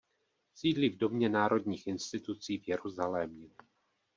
Sídlí v domě národních institucí v Jeruzalémě.